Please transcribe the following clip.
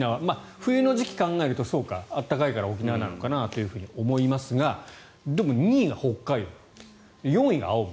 冬の時期を考えるとそうか、暖かいから沖縄なのかなと思いますがでも、２位が北海道４位が青森。